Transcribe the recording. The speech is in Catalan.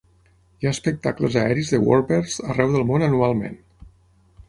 Hi ha espectacles aeris de "warbirds" arreu del món anualment.